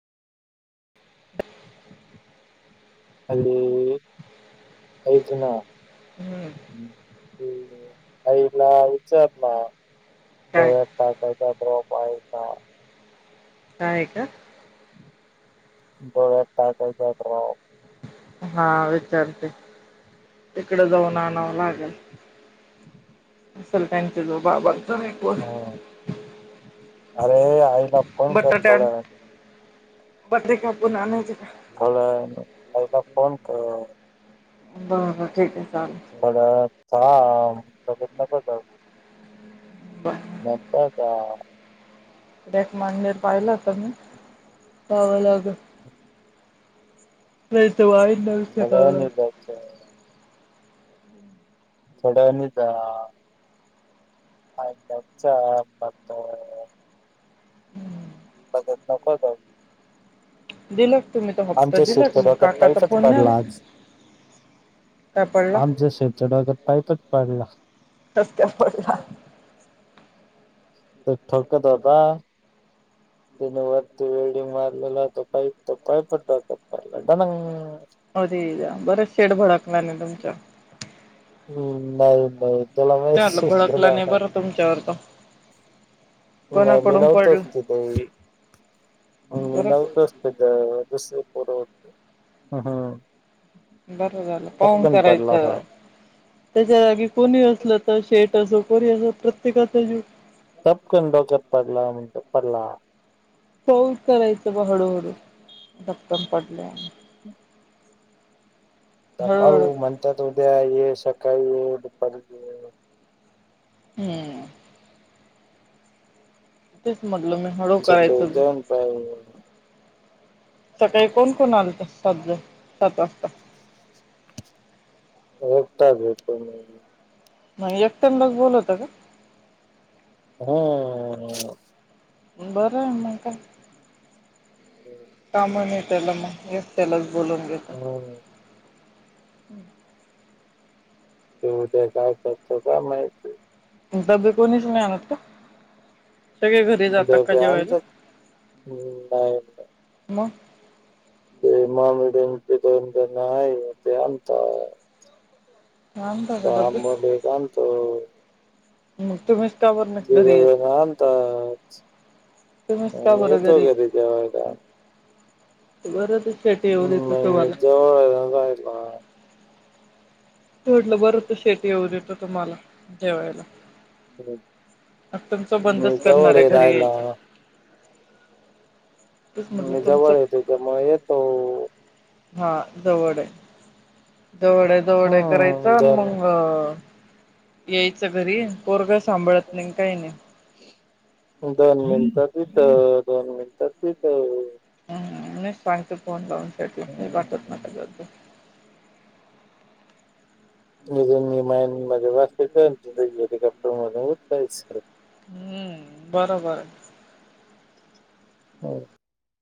[inaudible] [inaudible] ऐक ना हम्म. आईला विचार ना [unintelligible] काय त्याच्यात [unintelligible] पायचा काय हे का? डोळ्यात टाकायचा ड्राप. हा विचारते, तिकडं जाऊन आणावं लागल. असलं त्यांच्या जवळ बाबांचा हा [unintelligible] अरे आईला फोन कर थोड्यावे पत्रे कापुन आनायचे थोड्यावेळाने आईला फोन कर. बरं ठीक आहे चालेल थोडा वेळ थांब. लगेच नको जाऊ बरं. नंतर जा. डक मांजर पाळला होता मी तवा लग नाहीत वाई सगळ्यांनी जायचं आहे. थोड्यावेळांनी जा. [unintelligible] पातळ बघत नको जाऊ. दिला का तुम्ही तो हप्ता आमचे दिला का मग शिक्षक काकाचा पैसाच फोन नाही पडला आला? आज. काय पडला? आमचा शेठच्या डोक्यात पाईपच पडला. कस काय पडला? तो ठोकत होता तने वरती वेल्डिंग मारलेला. तो पाईप तो पाईप डोक्यात पडला. अरे यार बर शेट भडकला नाही तुमच्यावर. हम्म नाही नाही त्याला ते म्हंटल माहित भडकला त्याला नाही बरं तुमच्यावर तो. नाही मी कोणाकडून पडला? नव्हतोच तिथे. मी बरं नव्हतोच तिथे, मी दुसरीकडे होतो. बरं झालं पाहून करायचं, हा त्याच्या जागी कोणी असलं तर शेट तस कोणी असो प्रत्येकाच जीव टपकन डोक्यात पडला म्हणून तो पडला. पाहुन करायचं बा हळूहळू. धपकन पडलाय तर काय हळूहळू हो म्हणत्यात उद्या ये, सकाळी ये, दुपारी ये. हम्म. तेच म्हटलं मी हळू सकाळी करायचं ग. जाऊन पाहिन सकाळी कोण कोण आलत सात जण सात वाजता? एकटाच होतो मी. मग एकट्यानाच बोलवता का? हम्म. बरं हाय मग काय. काम नाही त्याला मग एकट्यालाच बोलवुन घेता. हम्म हम्म. ते उद्या काय करत काय माहिती. डब्बे कोणीच नाही आणत का? सगळे घरी जातात का डब्यांच जेवायला, नाही मग? ते मोमीडियन ते [unintelligible] त्यांना आहे ते आणता. आणता तत का डबे आम्ही म्हणले का आणतो. मग तुम्हीच का बरं नाही घरी येत? तिघजण आणतात. तुम्हीच का मग बरं येतोय घरी जेवायला काय बरंच ते शेठ येऊन देतं मी तुम्हाला. जवळ राहिला सोडलं बरं होत शेठ येऊ देत तुम्हाला जेवायला. आ तुमचं मी बंदच करणार जवळ आहे घरी राहायला यायच. मी म्हटलं तुमचं जवळ येते त्या म येतो. हा जवळय जवळ जवळ करायच हम्म आणि दोन मंग यायचं घरी पोरग सांभाळत नाही काही नाही. दोन मिनिटात हित दोन मिनिटात तिथं. हा मीच सांगत फोन लावूनसाठी हम्म. वाटत नका जाऊ [unintelligible] हम्म बरोबर. होय